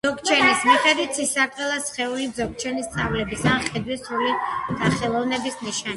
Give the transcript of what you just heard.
ძოგჩენის მიხედვით, ცისარტყელა სხეული ძოგჩენის სწავლების ან ხედვის სრული დახელოვნების ნიშანია.